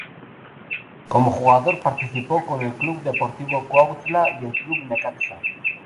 Como jugador participó con el Club Deportivo Cuautla y el Club Necaxa.